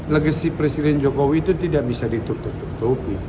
legacy presiden jokowi itu tidak bisa ditutup tutupi